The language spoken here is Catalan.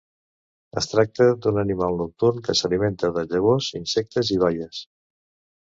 Es tracta d'un animal nocturn que s'alimenta de llavors, insectes i baies.